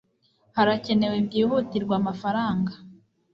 harakenewe byihutirwa amafaranga